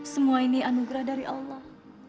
semua ini anugerah dari allah